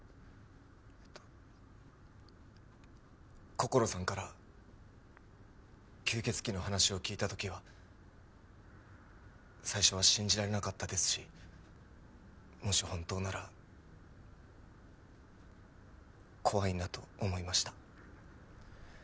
こころさんから吸血鬼の話を聞いた時は最初は信じられなかったですしもし本当なら怖いなと思いました。